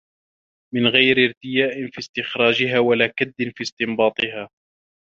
مِنْ غَيْرِ ارْتِيَاءٍ فِي اسْتِخْرَاجِهَا وَلَا كَدٍّ فِي اسْتِنْبَاطِهَا